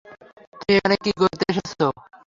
তুমি এখানে কী করতে এসেছ?